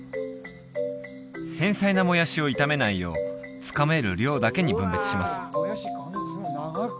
繊細なもやしを傷めないようつかめる量だけに分別します